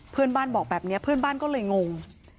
เพื่อนบ้านบอกแบบนี้เพื่อนบ้านก็เลยงง